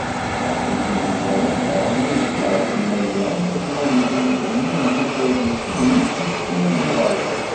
Aquddim-nniḍen daɣen i yesferḥen Imaziɣen, dakken ad yili uselmed n tutlayt-nsen deg yakk iswiren n uɣerbaz.